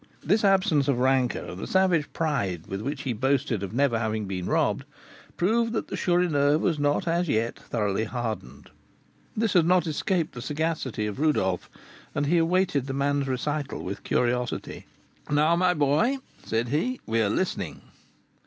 This absence of rancour, and the savage pride with which he boasted of never having robbed, proved that the Chourineur was not as yet thoroughly hardened. This had not escaped the sagacity of Rodolph, and he awaited the man's recital with curiosity. "Now, my boy," said he, "we are listening."